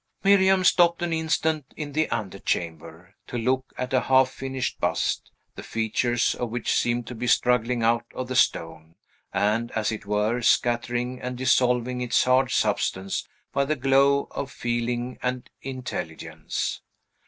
Miriam stopped an instant in an antechamber, to look at a half finished bust, the features of which seemed to be struggling out of the stone; and, as it were, scattering and dissolving its hard substance by the glow of feeling and intelligence.